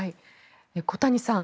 小谷さん